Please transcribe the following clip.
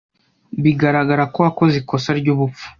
Bigaragara ko wakoze ikosa ryubupfu.